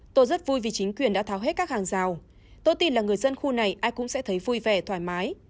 tôi rất vui vì chính quyền đã tháo hết các hàng rào tôi tin là người dân khu này ai cũng sẽ thấy vui vẻ thoải mái